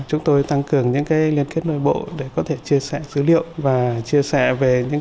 chúng tôi tăng cường những liên kết nội bộ để có thể chia sẻ dữ liệu và chia sẻ về những